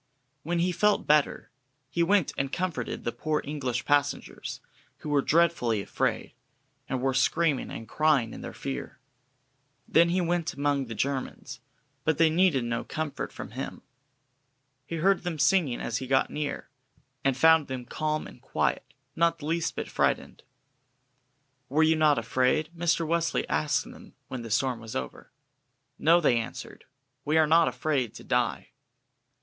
When he felt better, he went and comforted the poor English passengers, who were dreadfully afraid, and were screaming and crying in their fear. Then he went among the Germans, but they needed no comfort from him. He heard them singing as he got near, and found them calm and quiet, not the least bit frightened. "Were you not afraid?" Mr. Wesley asked them when the storm was over. "No," they answered, "we are not afraid to die."